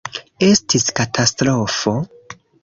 Estis katastrofo.